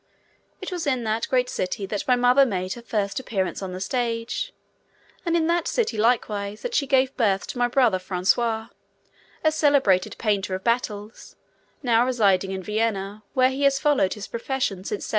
It was in that great city that my mother made her first appearance on the stage, and in that city likewise that she gave birth to my brother Francois, a celebrated painter of battles, now residing in Vienna, where he has followed his profession since 1783.